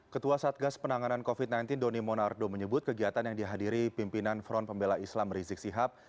ketua satgas penanganan covid sembilan belas doni monardo menyebut kegiatan yang dihadiri pimpinan front pembela islam rizik sihab